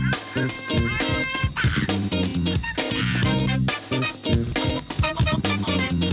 โลกใบตัว